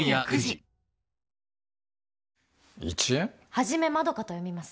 「はじめまどか」と読みます。